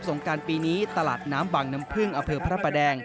สงการปีนี้ตลาดน้ำบังน้ำเพลิงอภมด